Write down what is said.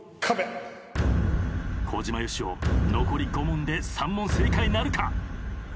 小島よしお残り５問で３問正解なるか？